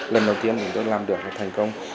lần đầu tiên chúng tôi làm được thành công